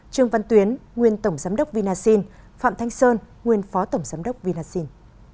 trương văn tuyến nguyên tổng giám đốc vinasin phạm thanh sơn nguyên phó tổng giám đốc vinasin